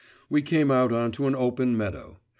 We came out on to an open meadow.